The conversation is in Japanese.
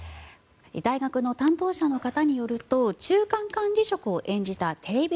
大学の担当者の方によると中間管理職を演じたテレビ